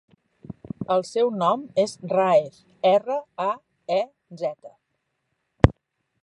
El seu cognom és Raez: erra, a, e, zeta.